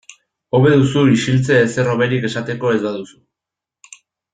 Hobe duzu isiltze ezer hoberik esateko ez baduzu.